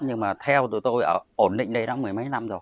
nhưng mà theo tụi tôi ở ổn định đây đã mười mấy năm rồi